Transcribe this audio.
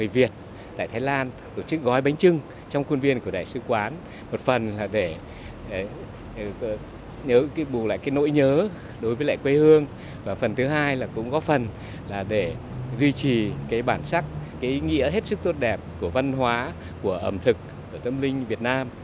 và phần thứ hai là cũng góp phần là để duy trì cái bản sắc cái ý nghĩa hết sức tốt đẹp của văn hóa của ẩm thực của tâm linh việt nam